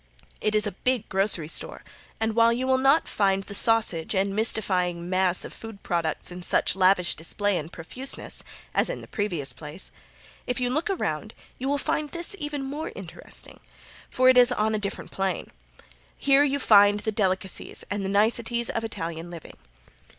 It is a big grocery store and while you will not find the sausage and mystifying mass of food products in such lavish display and profuseness, as in the previous place, if you look around you will find this even more interesting, for it is on a different plane. Here you find the delicacies and the niceties of Italian living.